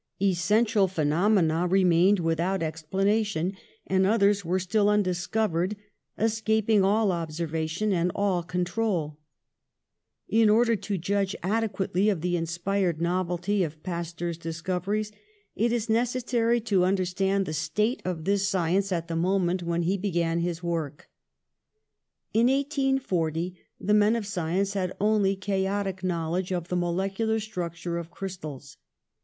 Essen tial phenomena remained without explanation, and others were still undiscovered, escaping all observation and all control. In order to judge adequately of the inspired novelty of Pasteur's discoveries it is necessary to understand the 24 PASTEUR state of this science at the moment when he be gan his work. In 1840 the men of science had only chaotic knowledge of the molecular structure of crys tals.